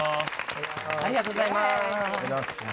ありがとうございます。